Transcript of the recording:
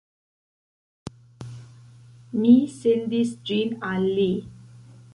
Mi sendis ĝin al li